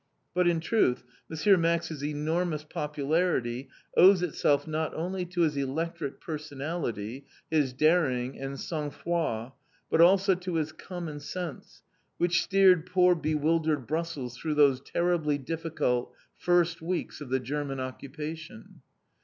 But, in truth, M. Max's enormous popularity owes itself not only to his electric personality, his daring, and sangfroid, but also to his common sense, which steered poor bewildered Brussels through those terribly difficult first weeks of the German occupation.